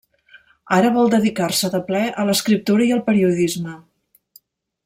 Ara vol dedicar-se de ple a l'escriptura i el periodisme.